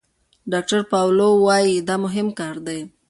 ډاکتر پاولو وايي دا مهم کار دی.